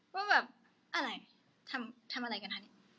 ว่าแบบอะไรทำอะไรกันฮะ